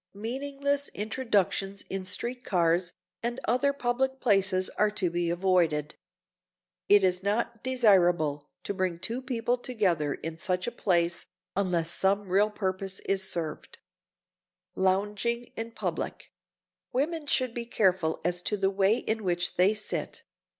Meaningless introductions in street cars or other public places are to be avoided. It is not desirable to bring two people together in such a place unless some real purpose is served. [Sidenote: LOUNGING IN PUBLIC] Women should be careful as to the way in which they sit.